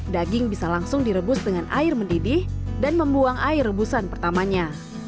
daging bisa langsung direbus dengan air mendidih dan membuang air rebusan pertamanya